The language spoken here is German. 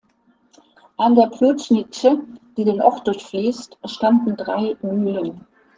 An der Ploučnice, die den Ort durchfließt, standen drei Mühlen.